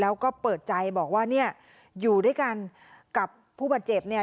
แล้วก็เปิดใจบอกว่าเนี่ยอยู่ด้วยกันกับผู้บาดเจ็บเนี่ย